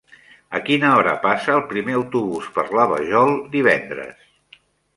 A quina hora passa el primer autobús per la Vajol divendres?